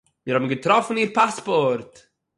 מיר האָבן געטראָפן איר פּאַספּאָרט